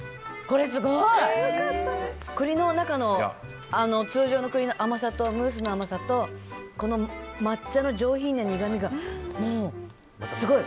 これすごい！栗の中の通常の栗の甘さとムースの甘さとこの抹茶の上品な苦みがもうすごい。